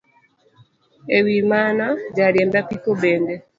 E wi mano, joriemb apiko bende